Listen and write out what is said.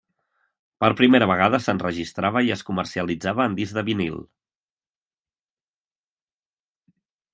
Per primera vegada s'enregistrava i es comercialitzava en discs de vinil.